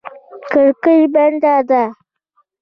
کړکۍ بنده ده.